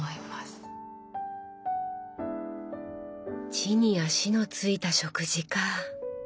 地に足のついた食事かぁ。